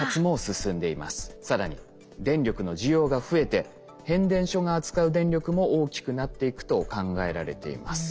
更に電力の需要が増えて変電所が扱う電力も大きくなっていくと考えられています。